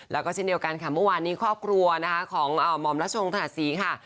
แล้วก็เช่นเดียวกันค่ะเมื่อวานนี้ครอบครัวนะคะของหม่อมรัชงถนัดศรีค่ะ